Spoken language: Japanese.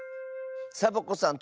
サボ子さん